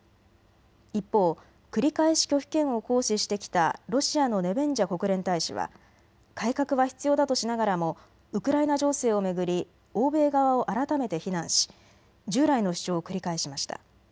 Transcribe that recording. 一方、繰り返し拒否権を行使してきたロシアのネベンジャ国連大使は改革は必要だとしながらもウクライナ情勢を巡り欧米側を改めて非難し従来の主張を繰り返しました。